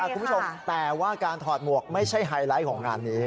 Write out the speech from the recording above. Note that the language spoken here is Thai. คุณผู้ชมแต่ว่าการถอดหมวกไม่ใช่ไฮไลท์ของงานนี้